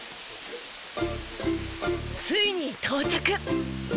ついに到着。